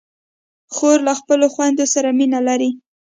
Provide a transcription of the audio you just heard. خور له خپلو خویندو سره مینه لري.